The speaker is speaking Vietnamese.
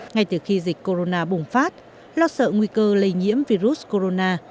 ngay từ khi dịch corona bùng phát lo sợ nguy cơ lây nhiễm virus corona